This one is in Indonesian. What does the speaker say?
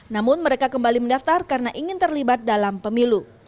namun mereka kembali mendaftar karena ingin terlibat dalam pemilu